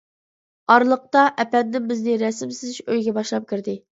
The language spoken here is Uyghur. ئارىلىقتا، ئەپەندىم بىزنى رەسىم سىزىش ئۆيىگە باشلاپ كىردى.